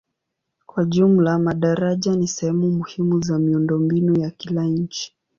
Kwa jumla madaraja ni sehemu muhimu za miundombinu ya kila nchi.